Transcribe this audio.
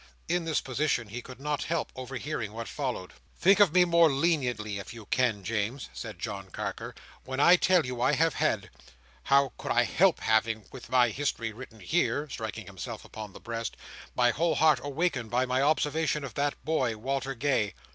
In this position he could not help overhearing what followed. "Think of me more leniently, if you can, James," said John Carker, "when I tell you I have had—how could I help having, with my history, written here"—striking himself upon the breast—"my whole heart awakened by my observation of that boy, Walter Gay.